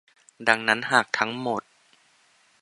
ดังนั้นหากทั้งหมด